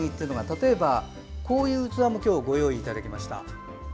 例えば、こういう器も今日ご用意いただきました。